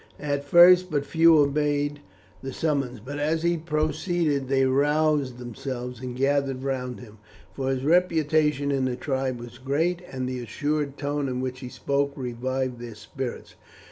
At first but few obeyed the summons, but as he proceeded they roused themselves and gathered round him, for his reputation in the tribe was great, and the assured tone in which he spoke revived their spirits.